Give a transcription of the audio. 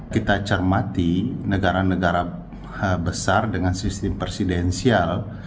kita cermati negara negara besar dengan sistem presidensial